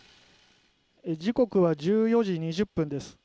時刻は１４時２０分です。